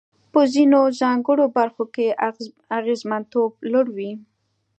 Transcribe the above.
په ځینو ځانګړو برخو کې اغېزمنتوب لوړ وي.